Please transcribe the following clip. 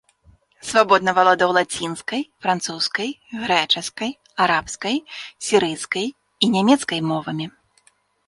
Свабодна валодаў лацінскай, французскай, грэчаскай, арабскай, сірыйскай і нямецкай мовамі.